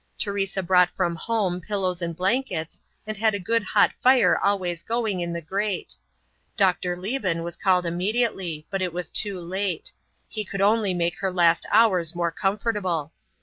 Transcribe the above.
Teresa brought from home pillows and blankets, and had a good hot fire always going in the grate. Dr. Lebon was called immediately, but it was too late; he could only make her last hours more comfortable.